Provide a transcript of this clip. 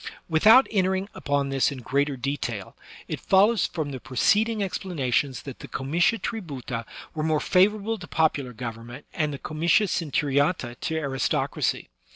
Without entering upon this in greater detail, it follows from the preceding explanations that the comitia tributa were more favorable to popular government, and the comitia centuriata to aristocracy.